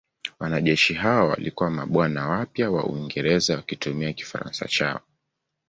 Wanajeshi hao walikuwa mabwana wapya wa Uingereza wakitumia Kifaransa chao.